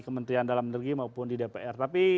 kementerian dalam negeri maupun di dpr tapi